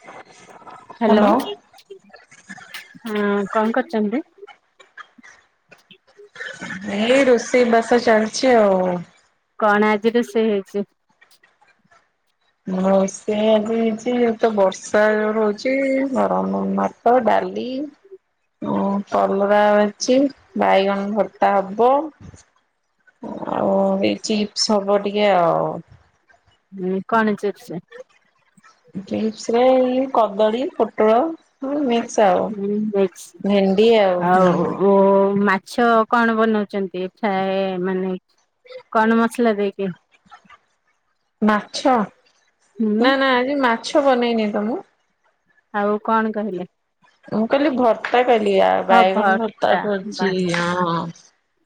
[inaudible] Hello ହ କଣ କରୁଛନ୍ତି। ଏଇ ରୋଷେଇ ବାସ ଚାଲିଛି ଆଉ। କଣ ଆଜି ରୋଷେଇ ହେଇଛି। ରୋଷେଇ ଆଜି ହେଇଛି ଏ ତ ବର୍ଷା ଯୋଉ ରହୁଛି। [unintelligible] ଭାତ ଡାଲି। ଉଁ କଲରା ଭାଜିଛି ବାଇଗଣ ଭତ୍ତା ହବ। ଆଉ ଏ ଚିପ୍ସ ହବ ଟିକେ ଆଉ। ହଁ କଣ ଚିପ୍ସ। ଚିପ୍ସ ରେ ଏଇ କଦଳୀ ପୋଟଳ। ହଁ ମିକ୍ସ ଆଉ। ହୁଁ ମିକ୍ସ। ଭେଣ୍ଡି ହୁଁ ଆଉ ମାଛ କଣ ବନାଉଚନ୍ତି, ଏ ଫ୍ରାଏ ମାନେ କଣ ମସଲା ଦେଇକି? ମାଛ? ହୁଁ ନା ନା ଆଜି ମାଛ ବନେଇନି ତ ମୁଁ। ଆଉ କଣ କହିଲେ? ମୁଁ କହିଲି ଭର୍ତ୍ତା କହିଲି ଆଉ ହଁ ବାଇଗଣ ଭର୍ତ୍ତା କରଛି ହଁ, ହଁ।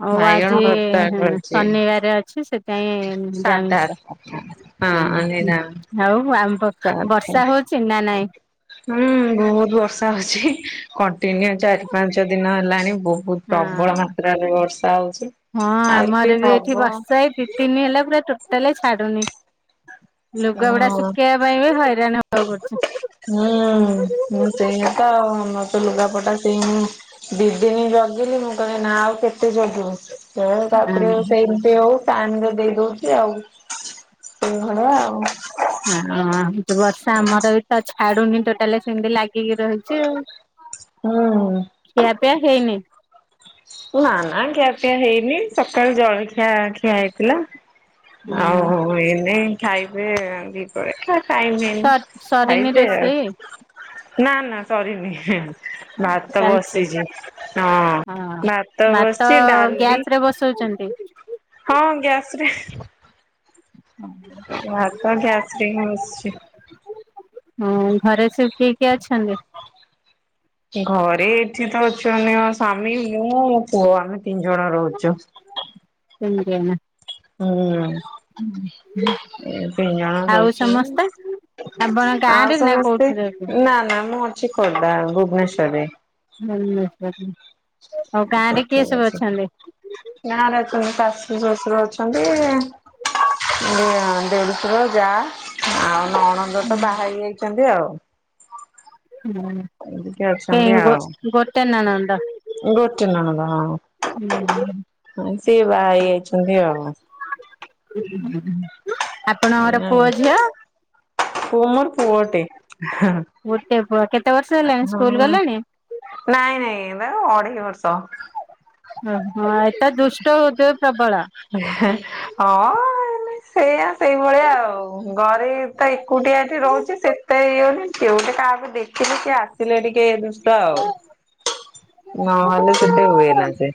ହଉ ଆଜି ହୁଁ ଶନିବାରେ ଅଛି ସେଇଥିପାଇଁ ଯା ସାଢେ ଆମିଷ। ଆଠ ହୁଁ ହଁ ହୁଁ। ଏଇନା ଆଉ ଆମ ପ ସାତ ବର୍ଷା ହଉଛି ନା ନାଇଁ? ହୁଁ ବହୁତ ବର୍ଷା ହଉଛି, କଣ୍ଟିନ୍ୟୁ ଚାରି ପାଞ୍ଚ ଦିନ ହେଲାଣି ବହୁତ ବହୁତ ପ୍ରବଳ ହଁ ମାତ୍ରାରେ ବର୍ଷା ହଉଛି, ହଁ ଆହୁରି ଆମର ବି ଏଠି ହବ ବର୍ଷା ଏଇ ଦି ଦିନି ହେଲା ପୁରା ଟୋଟାଲ ଛାଡୁନି। ଲୁଗା ଗୁଡା ହଁ ଶୁକେଇଆ ଇବା ପାଇଁ ବି ହଇରାଣ ହବାକୁ ପଡୁଛି। ହୁଁଁ। ମୁଁ ସେଇଆ ତ ଆଉ। ଆମର ତ ଲୁଗାପଟା ସେଇ ହ ଦି ଦିନ ଜଗିଲି, ମୁଁ କହିଲି ନା ଆଉ କେତେ ଜଗିବୁ? ତେଣୁ ତାପରେ ଆଉ ହଁ ସେମତି ହଉ ଟାଇମରେ ଦେଇ ଦଉଛି ଆଉ, ସେଇଭଳିଆ ଆଉ। ହଁ, ହଉଛି ବର୍ଷା ଆମର ବି ତ ଛାଡୁନି ଟୋଟାଲି ସେମତି ଲାଗି ଲାଗିକି ରହିଛି ଆଉ। ହୁଁ। ଖିଆପିଆ ହେଇନି? ନା ନା ଖିଆ ପିଆ ହେଇନି, ସକାଳୁ ଜଳଖିଆ ଖିଆ ହେଇଥିଲା। ଆଉ ହୁଁ ଏନେଇ ଖାଇବେ, ଦ୍ୱିପହରେ ଖାଇ ଖାଇନେଇ, ସରିନି ଖାଇବି ରୋଷେଇ ଆଉ। ନା ନା ସରିନି। ଇଁ ହିଁ। ଭାତ ତ ଚାଲିଛି। ବସିଚି ହଁ। ହଁ ଭାତ ବସିଛି, ଡାଲ ବି ଉଛନ୍ତି ହଁ, ଗ୍ୟାସରେ। ଭାତ ଗ୍ୟାସରେ ହିଁ ବସିଛି। ହୁଁ, ଘରେ ସବୁ କିଏ କିଏ ଅଛନ୍ତି? ଘରେ ଏଠି ତ ଅଛନ୍ତି ମୋ ସ୍ୱାମୀ, ମୁଁ, ମୋ ପୁଅ, ଆମେ ତିନି ଜଣ ରହୁଛୁ। ତିନିଜଣ। ହୁଁ। ଏଇ ତିନିଜଣ ଆଉ ରହୁଛୁ ସମସ୍ତେ ଆଉ। ଆପଣ ଗାଁ ଆଉ ରେ ନା ସମସ୍ତେ? କୋଉଠି ରହୁଛନ୍ତି? ନା ନା, ମୁଁ ଅଛି ଖୋର୍ଦ୍ଧା, ଭୁବନେଶ୍ୱରରେ। ତମେ ଅଛ। ଆଉ ଠିକ ଗାଁରେ କିଏ ସବୁ ଅଛି ଅଛନ୍ତି? ଗାଁରେ ଅଛନ୍ତି, ଶାଶୂ ଶ୍ଵଶୁର ଅଛନ୍ତି ଦିଅର ଦେଡୁଶୁର, ଯା। ଆଉ ନଣନ୍ଦ ହୁଁ ତ ବାହା ହେଇଯାଇଛନ୍ତି ଆଉ। ହଁ। ଏମିତି ଅଛନ୍ତି କାଇଁ ଆଉ ଗୋଟ ଗୋଟେ ନଣନ୍ଦ। ଗୋଟେ ନଣନ୍ଦ ହଁ। ସିଏ ବାହାହେଇଯାଇଛନ୍ତି ଆଉ। ଆପଣଙ୍କର ପୁଅ ଝିଅ? ପୁଅ ମୋର ପୁଅଟେ। ହେଁ, ଗୋଟେ ପୁଅ କେତେ ବର୍ଷ ହେଲାଣି ହଁ। ସ୍କୁଲ ଗଲାଣି? ନାଇଁ ନାଇଁ, ଏଇ ବା ଅଢେଇ ବର୍ଷ। ହଁ, ହଁ ଏଇଟା ଦୁଷ୍ଟ ହଉଥିବ ପ୍ରବଳ? ହଁ ଏଇନେ ସେୟା, ସେଇଭଳିଆ ଆଉ। ଘରେ ଏଇଠି ତ ଏକୁଟିଆ ଏଠି ରହୁଛି, ସେଇଥିପାଇଁ ଇଏ ବୋଲି କିଏ ଗୋଟେ କାହାକୁ ଦେଖିଲେ, କିଏ ଆସିଲେ ଟିକେ ଦୁଷ୍ଟ ଆଉ। ନହେଲେ ସେତେ ହୁଏନା ସେ।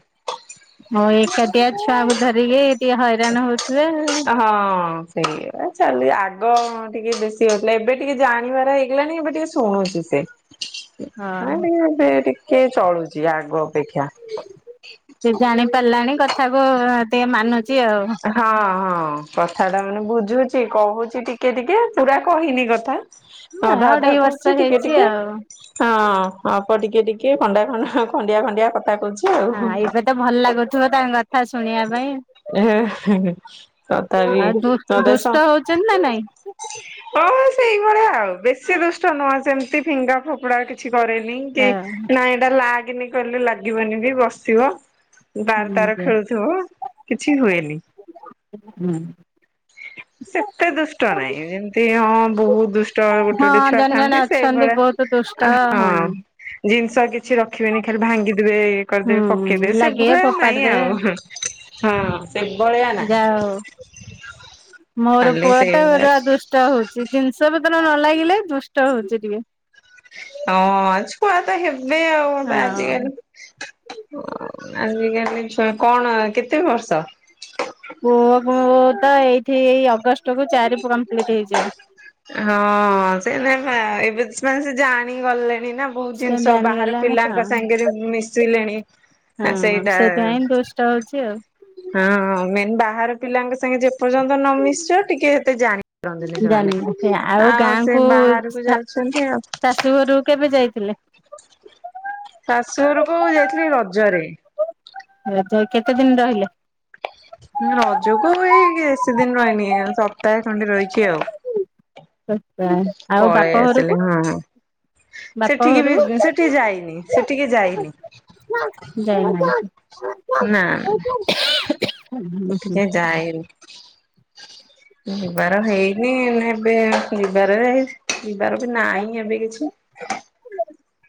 ହଁ ଏକାଟିଆ ଛୁଆକୁ ଧରିକି ଟିକେ ହଇରାଣ ହଉଥିବେ। ହଁ ସେଇୟା ଚାଲି ଆଗ ଟିକେ ବେଶୀ ହଉଥିଲା ଏବେ ଟିକେ ଜାଣିବାର ହେଇଗଲାଣି ଏବେ ଟିକେ ଶୁଣୁଛି ସେ। ନା ହଁ। ଟିକେ ସେ ଟିକେ ଚଳୁଛି ଆଗ ଅପେକ୍ଷା। ସେ ଜାଣି ପାରିଲାଣି କଥାକୁ ଟିକେ ମାନୁଛି ଆଉ। ହଁ ହଁ କଥା ଟା ମାନେ ବୁଝୁଛି କହୁଛି ଟିକେ ଟିକେ ପୁରା କହିନି କଥା। ହଁ ଅଧା ଅଧା ଅଢେଇ ବର୍ଷ କହୁଛି ଟିକେ ହେଇଛି ଟିକେ। ଆଉ। ହଁ ହବ ଟିକେ ଟିକେ ଖଣ୍ଡା ଖଣ୍ଡ ଖଣ୍ଡିଆ ଖଣ୍ଡିଆ କଥା କହୁଛି ଆଉ। ମତେ ଭଲ ଲାଗୁଥିବ ତାଙ୍କ କଥା ଶୁଣିବା ପାଇଁ। ତଥାପି ଆଉ ଦୁ ଦୁଷ୍ଟ ନତସ। ହଉଛନ୍ତି ନା ନାଇଁ? ହଁ ସେଇଭଳିଆ ଆଉ ବେଶୀ ଦୁଷ୍ଟ ନୁହଁ ଯେମିତି ଫିଙ୍ଗା ଫୋପଡା କି କିଛି କରେନି କି ଏ ନା ଏଇଟା ଲାଗନି କହିଲେ ଲାଗିବନି ବି ବସିବ। ଦା ତାର ହୁଁ ଖେଳୁଥିବ କିଛି ହୁଏନି। ହୁଁ। ସେତେ ଦୁଷ୍ଟ ନାହିଁ ଯେମିତି ହଁ ବହୁତ ଦୁଷ୍ଟ ଗୋଟେ ଗୋଟେ ଛୁଆ ଜଣେ ଜଣେ ଥାନ୍ତି ଅଛନ୍ତି ସେଇଭଳିଆ। ବହୁତ ଦଶଟା ହଁ। ଜିନିଷ କିଛି ରଖିବେନି ଖାଲି ଭାଙ୍ଗିଦବେ ଇଏ ହୁଁ କରିଦେବେ ପକେଇଦବେ ଲାଗିବେ ସେଭଳିଆ ଫୋପାଡି ନାଇଁ ଦେବେ ଆଉ। ହଁ ସେ ଭଳିଆ ଯାହା ହଉ। ନାଇ ଖଲି ସେଇ ଷ୍ଟ ହଉଛି ଜିନିଷ ପତ୍ର ନ ଲାଗିଲେ ଦୁଷ୍ଟ ହଉଛି ଟିକେ। ହଁ ଛୁଆ ତ ହେବେ ଆଉ ହଁ ଆଜିକାଲି। ଆଜିକାଲି ଛୁଆ କଣ କେତେ ବର୍ଷ? ପୁଅ କୁ ତ ଏଇଠି ଏଇ ଅଗଷ୍ଟ କୁ ଚାରି କମ୍ପ୍ଲିଟ ହେଇଯିବ। ହଁ ସେ ନାଇ ଏବେ ମାନେ ସେ ଜାଣି ଗଲେଣି ନା। ବହୁତ ସେ ଜିନିଷ ବାହାର ଜାଣିଗଲାଣି ହଁ ପିଲାଙ୍କ ସାଙ୍ଗରେ ମିଶିଲେଣି। ହଁ ସେଇଟା ସେଥିପାଇଁ ଦୁଷ୍ଟ ହଉଛି ଆଉ। ହଁ ମେନ୍ ବାହାର ପିଲାଙ୍କ ସାଙ୍ଗେ ଯେପର୍ଯ୍ୟନ୍ତ ନ ମିଶଛ ଟିକେ ଏତେ ଜାଣି ସେମାନେ ଜାଣିନି ଆଉ ଗାଁକୁ ସେ ବାହାରକୁ ଯାଉଛନ୍ତି ଆଉ। ଶାଶୁ ଘରକୁ କେବେ ଯାଇଥିଲେ? ଶାଶୁ ଘରକୁ ଯାଇଥିଲି ରଜରେ। ରଜ କେତେ ଦିନ ରହିଲେ? ରଜକୁ ଏଇ ବେଶୀ ଦିନ ରହନି ସପ୍ତାହେ ଖଣ୍ଡି ରହିଛି ଆଉ। ଆଉ ବାପ ପଳେଇ ଘରକୁ ଆସିଲି ହଁ ହଁ। ବାପ ସେଠିକି ଘରକୁ ବି ସେଠି ଯାଇନି ସେଠିକି ଯାଇନି। ଯାଇନାହିଁ। ନା। [inaudible] ସେ ଯାଇନି। ଯିବାର ହେଇନି ଏବେ ଯିବାର ଯିବାର ବି ନାହିଁ ଏବେ କିଛି। [inaudible]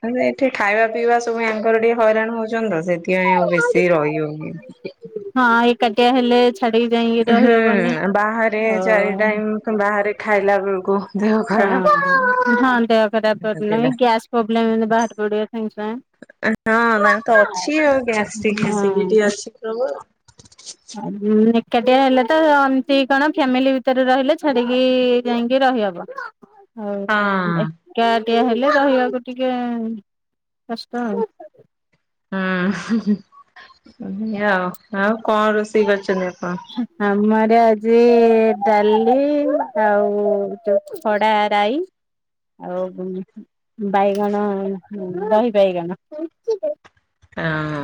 ମାନେ ଏଠି ଖାଇବା ପିଇବା ସବୁ ଆଙ୍କର ଟିକେ ହଇରାଣ ହଉଛନ୍ତି ତ ସେଥିପାଇଁ ଆଉ ବେଶୀ ରହି ହଉନି। ହଁ ଏକାଠିଆ ହେଲେ। ଛାଡିକି ଯାଇକି ହୁଁ ରହିହବନି ବାହାରେ ଚାରି ହଁ। ଟାଇମ୍ ବାହାରେ ଖାଇଲା ବେଳକୁ। ଦେହ ଖରାପ। ହଁ ଦେହ ଖରାପ [inaudible] ଦେଲା ଗ୍ୟାସ୍ ପ୍ରୋବଲେମ୍ ଏମିତି ବାହାରି ପଡିବ ସଙ୍ଗେ ସଙ୍ଗେ। ହଁ ତାର ତ ଅଛି ଆଉ ଗ୍ୟାଷ୍ଟ୍ରିକ୍ ଏସିଡିଟି ଅଛି ସବୁ ଆଉ। ଏକାଟିଆ ହେଲେ ତ ଏମତି କଣ ଫ୍ୟାମିଲି ଭିତରେ ରହିଲେ ଛାଡିକି ଯାଇକି ରହିହବ। ଆଉ ହଁ କାଟିଆ ହେଲେ ରହିବାକୁ ଟିକେ କଷ୍ଟ ଆଉ। ହୁଁ ଏଯା ଆଉ ଆଉ କଣ ରୋଷେଇ କରିଛନ୍ତି ଆପଣ? ଆମର ଆଜି ଡାଲି ଆଉ ଖଡ଼ା ରାଇ। ଆଉ ବାଇଗଣ ଦହି ବାଇଗଣ। ହଁ।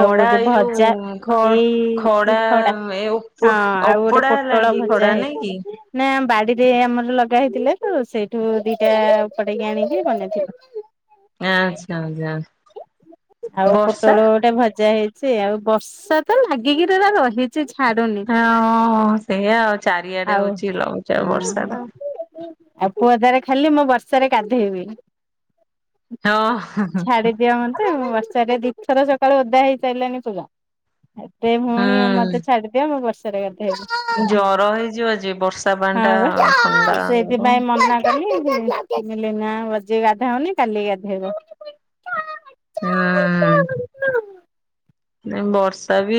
ଆଉ ଗୋଟେ ଏଇ ଭଜା ଯୋଉ ଖ ଏଇ ଖଡା ଏ ଓପ ହଁ ଆଉ ଗୋଟେ ଅପଡା ପ ହେଲାଣି ଟଳ କି ଖଡା ଭଜା ନାଇଁ କି? ହେଇଛି। ନା ବାଡିରେ ଆମର ଲଗା ହେଇଥିଲା ତ ସେଇଠୁ ଦିଟା ଚଡେଇକି ଆଣିକି ବନେଇଥିଲୁ। ଆଚ୍ଛା ଆଚ୍ଛା। ଆଉ ବର୍ଷା ପୋଟଳ ଗୋଟେ ଭଜା ହେଇଛି ଆଉ ବର୍ଷା ତ ଲାଗିକିରି ରହିଛି ଯେ ଛାଡ଼ୁନି। ହଁ ସେଇଆ ଆଉ ଚାରିଆଡେ ହଉଛି ଲଘୁଚାପ ହଁ ବର୍ଷା ଟା। ଆଉ ପୁଅ ଦେର ଖାଲି ମୁଁ ବର୍ଷାରେ ଗାଧେଇବି। ହଁ। ଛାଡି ଦିଅ ମୋତେ ବର୍ଷାରେ ଦିଇଥର ସକାଳୁ ଓଦା ହେଇସାରିଲଣି ପୂରା। ଏତେ ଫୁଣି ମତେ ହୁଁ ଛାଡିଦିଅ ମୁ ବର୍ଷରେ ଗାଦେଇବି। ଜର ହେଇଯିବ ଯେ ବର୍ଷା ପାଣି ଟା ଥଣ୍ଡା ହେବ। କାଲି ନା ଆଜି ଗାଧାଅନି କାଲି ଗାଧେଇବ। ହୁଁ। ନା ବର୍ଷା ବି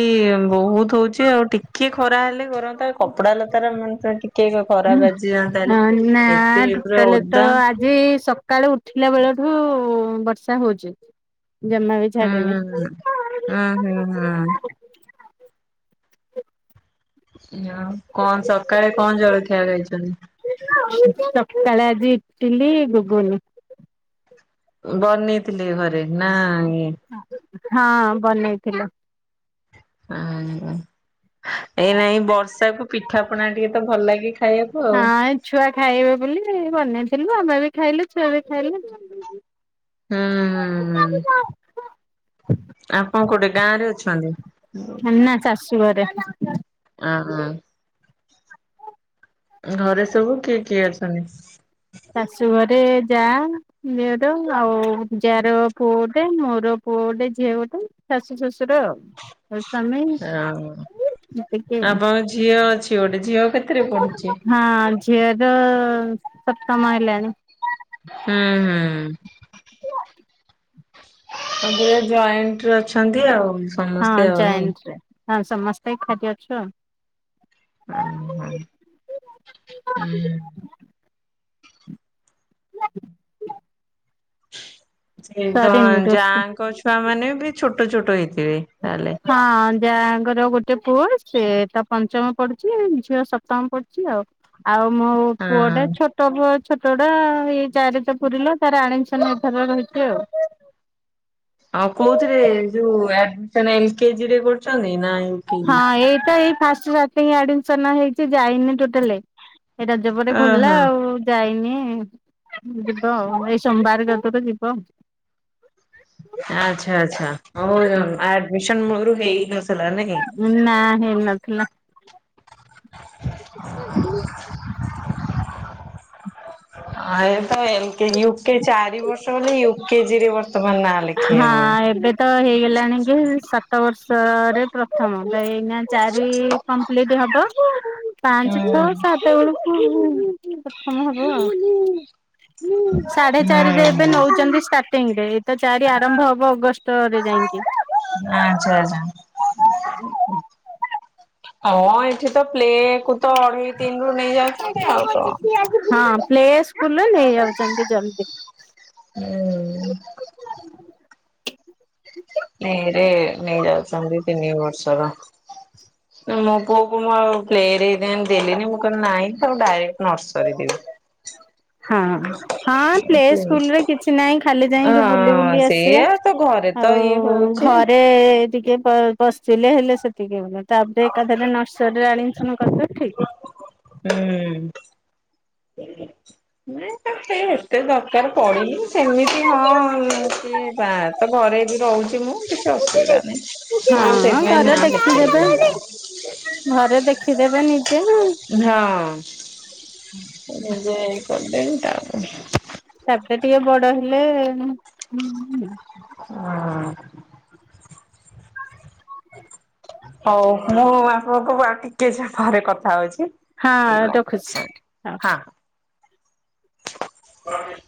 ବହୁତ ହଉଚି ଆଉ ଟିକେ ଖରା ହେଲେ କରନ୍ତା କପଡା ଲତାରା ମଣିଷ ଟିକେ ଟିକ ଖରା ବାଜିଯାଆନ୍ତା ହେଲେ ଏତେ ପୁରା ଓଦା ଯେ ସକାଳୁ ଉଠିଲା ବେଳଠୁ ବର୍ଷା ହଉଚ ଜମା ବି ଛାଡିନି ହୁଁ ହୁଁ ହୁଁ ହୁଁ। ଆଉ କଣ ସକାଳେ କଣ ଜଳଖିଆ ଖାଇଛନ୍ତି? ସକାଳେ ଆଜି ଇଟିଲି ଘୁଗୁନି। ବନେଇଥିଲେ ଘରେ ନା ଇଏ ହଁ ବନେଇଥିଲେ। ହୁଁ ଏଇ ନାଇଁ ବର୍ଷାକୁ ପିଠାପଣା ଟିକେ ତ ଭଲ ଲାଗେ ଖାଇବାକୁ। ହଁ ଆଉ। ଏ ଛୁଆ ଖାଇବେ ବୋଲି ବନେଇଥିଲୁ ଆମେ ବି ଖାଇଲୁ ଛୁଆ ବି ଖାଇଲେ। ହୁଁ ହୁଁ ହୁଁ ଆପଣ କୋଉଠେ ଗାଁ ରେ ଅଛନ୍ତି? ନା ଶାଶୁ ଘରେ। ଆଁ ହାଁ ଘରେ ସବୁ କିଏ କିଏ ଅଛନ୍ତି? ଶାଶୁ ଘରେ ଯା ଦିଅର ଆଉ ଯା ର ପୁଅ ଗୋଟେ ମୋର ପୁଅ ଗୋଟେ ଝିଅ ଗୋଟେ ଶାଶୁ ଶଶୁର ଆଉ। [inaudible] ହଁ ଏତିକି ଆଉ ଆପଣଙ୍କ ଝିଅ ଅଛି ଗୋଟେ ଝିଅ କେତେରେ ପଢୁଛି? ହଁ ଝିଅ ତ ସପ୍ତମ ହେଲାଣି। ହୁଁ ହୁଁ। [unintelligible] ଜଏଣ୍ଟ ଅଛନ୍ତି ଆଉ। ହଁ ସମସ୍ତେ ଆଉ ନାଇଁ। ଜଏଣ୍ଟରେ ହଁ ସମସ୍ତେ ଏକାଠି ଅଛୁ ଆଉ। ହୁଁ ହୁଁ। ସେଇତ ସରିନି ରୋଷେଇ। ଯାଙ୍କ ଛୁଆ ମାନେ ବି ଛୋଟ ଛୋଟ ହେଇଥିବେ। ତାହେଲେ। [inaudible] ହଁ ଯା ଙ୍କର ଗୋଟେ ପୁଅ ସେଏ ତା ପଞ୍ଚମ ପଡୁଛି ଝିଅ ସପ୍ତମ ପଢୁଛି ଆଉ। ଆଉ ମୋ ପୁଅଟା ହଁ ଛୋ ଛୋଟ ପୁଅ ଛୋଟ ଟା ଏଇ ଚାରି ତ ପୁରିଲା ତାର ଆଡ଼ମିଶନ ଏହି ଥର ରହିଛି ଆଉ। ଆଉ କୋଉଥିରେ ଯୋଉ ଆଡ଼ମିସନ ଏଲ କେଜି ରେ କରୁଛନ୍ତି ନା ଏଇ ହଁ ଏଇଟା ଏଇ ଫାଷ୍ଟ ଷ୍ଟାଟିଙ୍ଗ ଆଡମିଶନ ହେଇଛି ଯାଇନି ଟୋଟାଲେ। ଏଇ ରଜ ପରେ ଖୋଲିଲା ଓହୋ ଆଉ। ଯାଇନି ଯିବ ଆଉ ଏଇ ସୋମବାରଏକାଥରେ ଯିବ। ଆଛା ଆଚ୍ଛା ହଉ ଆଡମିସନ ମୁଳରୁ ହେଇ ନ ଥିଲା ନାଇଁ। ନା ହେଇନଥିଲା। [inaudible] ଆୟ ତ ଏଲ କେଜି ୟୁ କେଜି ଚାରି ବର୍ଷ ହେଲେ ୟୁ କେଜି ରେ ବର୍ଷ ହଁ ଏବେ ତ ହେଇଗଲାଣି କି ସାତ ବର୍ଷରେ ପ୍ରଥମ ତ ଏଇନା ଚାରି କମ୍ପ୍ଲିଟ ହବ ପାଞ୍ଚ, ଛଥ, ହୁଁ ସାତ ବେଳକୁ ପ୍ରଥମ ହବ ଆଉ। ସାଢେ ଚାରିରେ ଏବେ ହୁଁ ନଉଛନ୍ତି ସୁ ଷ୍ଟାର୍ଟିଂ ରେ ଏଇ ତ ଚାରି ଆରମ୍ଭ ହବ ଅଗଷ୍ଟ ରେ ଯାଇକି। ହଁ ଆଛା ଆଛା। ହଁ ଏଠି ତ ପ୍ଲେ କୁ ତ ଅଢେଇ ତିନ ରୁ ନେଇଯାଉ ହଁ ପ୍ଲେ ସ୍କୁଲ ନେଇଯାଉଛନ୍ତି ଜଲ୍ଦି। ହୁଁ। ନେରେ ନେଇ ଯାଉଛନ୍ତି ତିନି ବର୍ଷର। ମୋ ପୁଅକୁ ମୁଁ ଆଉ ପ୍ଲେରେ ହେଇଥିପାଇଁ ଦେଲିିନି ମୁଁ କହିଲି ନାହିଁ ତାକୁ ଡାଇରେକ୍ଟ ନର୍ସରୀ ଦିଅ। ହଁ ହଁ ପ୍ଲେ ସ୍କୁଲରେ କିଛି ନାହିଁ ଖାଲି ଯାଇକି ବୁଲି ହଁ ବୁଲି ଆସିବା। ସେଇଆ ତ ଘରେ ତ ଆଉ ଇଏ ହଉଛି। ଘରେ ଟିକେ ପ ପଶିଲେ ହେଲେ ସେତିକି ହଉନି ତାପରେ ଏକାଥରେ ନର୍ସରୀରେ ଆଡ଼ମିସନ କରିବେ। ହୁଁ। ନ ତ [unintelligible] ଏତେ ଦରକାର ପଡ଼ିନି ସେମିତି ହଁ ସିଏ ବା ତ ଘରେ ବି ରହୁଛି ମୁଁ। କିଛି ଅସୁବିଧା ନାଇଁ ଠିକ ମୁଁ ଆଉ ହଁ ସେଇଥିପାଇଁ ଘରେ ନାଁ ଦେଖିଦେବେ ଲେଖେଇଲିନି। ଘରେ ଦେଖିଦେବେ ନିଜେ ଆଉ। ହଁ ନିଜେ ଏଇ କରିଦେବି ତାପ ତାପରେ ଟିକେ ବଡ ହେଲେ ହୁଁ। ହଉ ମୁଁ ଆପଣଙ୍କୁ ଆଉ ଟିକେ ପରେ କଥା ହଉଛି। ହଁ ଏଇ ବା ରଖୁଛି। ହଁ। ହ ହ [unintelligible]